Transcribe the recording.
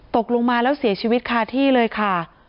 ตกลงมาแล้วเสียชีวิตคาที่เลยค่ะ